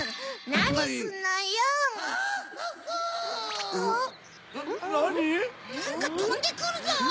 なんかとんでくるゾウ！